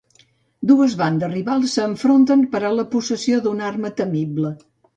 Dues bandes rivals s'enfronten per a la possessió d'una arma temible.